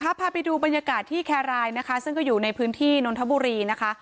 พาไปดูบรรยากาศที่แครรายนะคะซึ่งก็อยู่ในพื้นที่นนทบุรีนะคะ